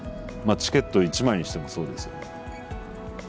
まあチケット１枚にしてもそうですよね。